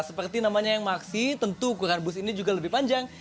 seperti namanya yang maksi tentu ukuran bus ini juga lebih panjang